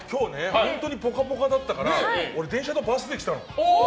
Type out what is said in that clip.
本当にポカポカだったから電車とバスで来たの。